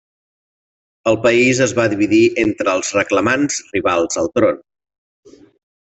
El país es va dividir entre els reclamants rivals al tron.